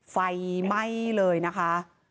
ไฟไหม้เลยนะคะ